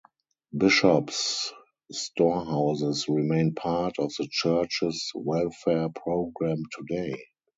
Bishop's storehouses remain part of the church's welfare program today.